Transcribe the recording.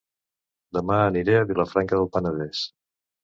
Dema aniré a Vilafranca del Penedès